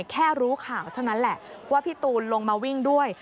แค่รู้ข่าวเท่านั้นแหละว่าพี่ตูนลงมาวิ่งด้วย